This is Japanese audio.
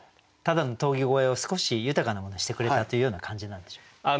ただの峠越えを少し豊かなものにしてくれたというような感じなんでしょうか。